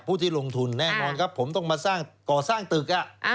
ที่ลงทุนแน่นอนครับผมต้องมาสร้างก่อสร้างตึก